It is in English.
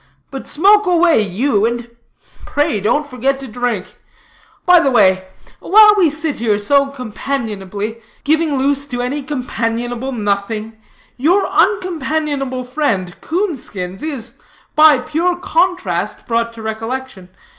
But smoke away, you, and pray, don't forget to drink. By the way, while we sit here so companionably, giving loose to any companionable nothing, your uncompanionable friend, Coonskins, is, by pure contrast, brought to recollection.